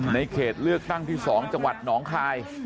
เขตเลือกตั้งที่๒จังหวัดหนองคาย